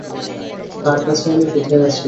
তার কাছে আমি কোথায় আছি!